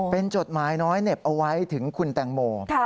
เป็นจดหมายน้อยเหน็บเอาไว้ถึงคุณแตงโม